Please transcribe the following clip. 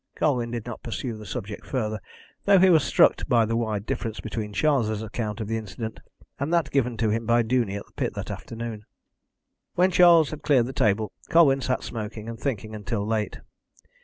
Colwyn did not pursue the subject further, though he was struck by the wide difference between Charles' account of the incident and that given to him by Duney at the pit that afternoon. When Charles had cleared the table Colwyn sat smoking and thinking until late.